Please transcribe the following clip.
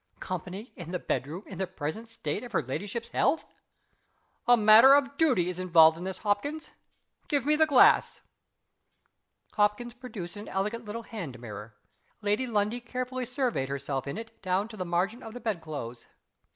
Company in the bedroom in the present state of her ladyship's health! "A matter of duty is involved in this, Hopkins. Give me the glass." Hopkins produced an elegant little hand mirror. Lady Lundie carefully surveyed herself in it down to the margin of the bedclothes.